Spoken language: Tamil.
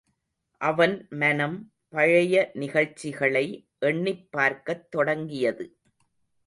அவன் மனம் பழைய நிகழ்ச்சிகளை எண்ணிப் பார்க்கத் தொடங்கியது.